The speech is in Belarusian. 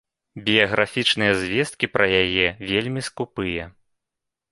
Біяграфічныя звесткі пра яе вельмі скупыя.